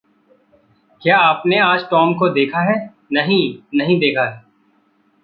"क्या आपने आज टॉम को देखा है?" "नहीं, नहीं देखा है।"